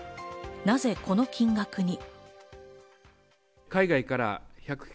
なぜこの金額に？